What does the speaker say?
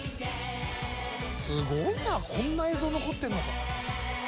すごいなこんな映像残ってんのか。